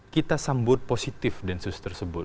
kita sambut positif densus tersebut